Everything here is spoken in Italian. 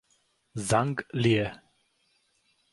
Zhang Lie